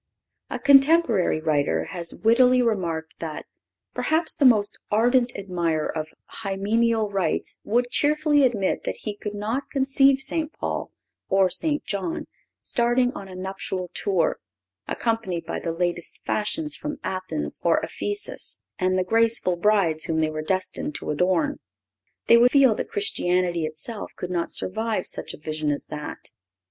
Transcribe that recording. (531) A contemporary writer has wittily remarked that "perhaps the most ardent admirer of hymeneal rites would cheerfully admit that he could not conceive St. Paul or St. John starting on a nuptial tour, accompanied by the latest fashions from Athens or Ephesus, and the graceful brides whom they were destined to adorn. They would feel that Christianity itself could not survive such a vision as that.